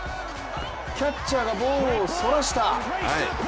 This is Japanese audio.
キャッチャーがボールをそらした。